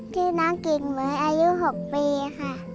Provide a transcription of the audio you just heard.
ชื่อน้องกิ่งเหมือยอายุ๖ปีค่ะ